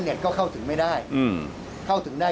รวยจริง